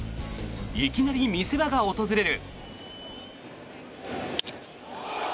いきなり見せ場が訪れる。